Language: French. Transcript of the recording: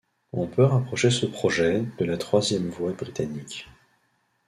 On peut rapprocher ce projet de la troisième voie britannique.